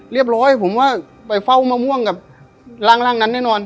เรียบร้อยผมว่าไปเฝ้ามะม่วงกับร่างนั้นแน่นอน